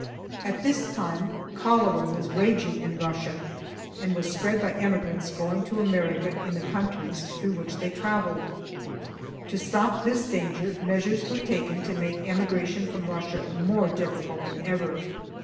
At this time, cholera was raging in Russia, and was spread by emigrants going to America in the countries through which they travelled. To stop this danger, measures were taken to make emigration from Russia more difficult than ever.